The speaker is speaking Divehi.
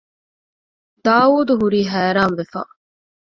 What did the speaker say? ދާއޫދުހުރީ ހައިރާންވެފަ